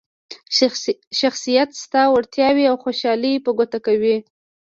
شخصیت ستا وړتیاوې او خوشحالي په ګوته کوي.